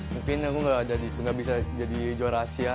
mungkin aku nggak bisa jadi juara asia